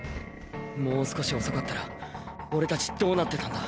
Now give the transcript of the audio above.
もう少し遅かったら俺たちどうなってたんだ？